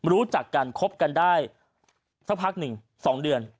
รู้จักกันคบกันได้สักพักหนึ่ง๒เดือน